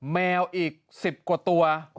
แมวอีก๑๐กว่าตัว